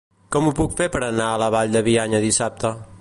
Com ho puc fer per anar a la Vall de Bianya dissabte?